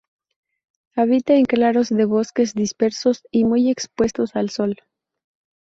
Habita en claros de bosques, dispersos y muy expuestos al sol.